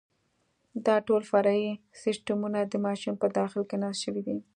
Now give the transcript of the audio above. دا ټول فرعي سیسټمونه د ماشین په داخل کې نصب شوي دي.